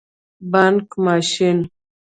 🏧 بانګ ماشین